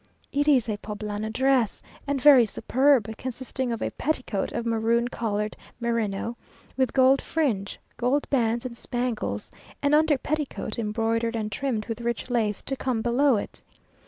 It is a Poblana dress, and very superb, consisting of a petticoat of maroon coloured merino, with gold fringe, gold bands and spangles; an under petticoat, embroidered and trimmed with rich lace, to come below it.